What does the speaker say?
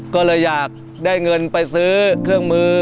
ก็เลยอยากได้เงินไปซื้อเครื่องมือ